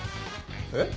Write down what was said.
えっ？